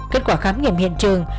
kết quả khám nghiệm hiện trường